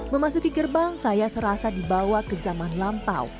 memasuki gerbang saya serasa dibawa ke zaman lampau